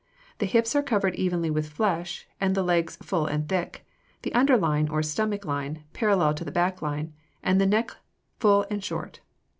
The hips are covered evenly with flesh, the legs full and thick, the under line, or stomach line, parallel to the back line, and the neck full and short.